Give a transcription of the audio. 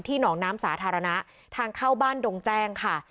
หนองน้ำสาธารณะทางเข้าบ้านดงแจ้งค่ะ